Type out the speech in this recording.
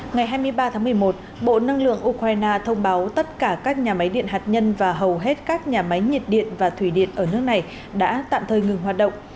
ngày hai mươi ba tháng một mươi một bộ năng lượng ukraine thông báo tất cả các nhà máy điện hạt nhân và hầu hết các nhà máy nhiệt điện và thủy điện ở nước này đã tạm thời ngừng hoạt động